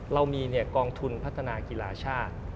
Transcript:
เรามีกองทุนพัฒนากีฬาชาติ